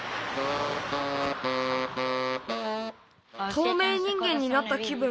とうめいにんげんになったきぶん。